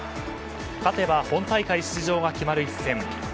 勝てば本大会出場が決まる一戦。